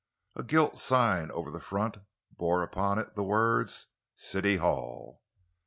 A gilt sign over the front bore upon it the words: CITY HALL.